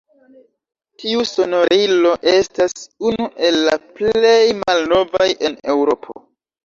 Tiu sonorilo estas unu el la plej malnovaj en Eŭropo.